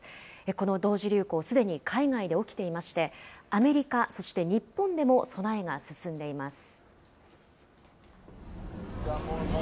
この同時流行、すでに海外で起きていまして、アメリカ、そして日本でも備えが進んでいます。